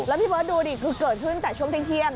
แล้วพี่เบิ้ลดูดิคือเกิดขึ้นตั้งแต่ชมเที่ยง